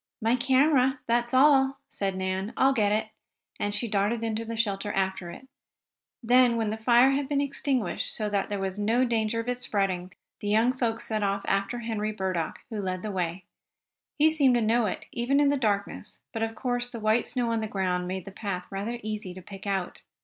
"My camera that's all," said Nan. "I'll get it," and she darted into the shelter after it. Then, when the fire had been extinguished so there would be no danger of it spreading, the young folks set off after Henry Burdock, who led the way. He seemed to know it, even in the darkness, but of course the white snow on the ground made the path rather easy to pick out.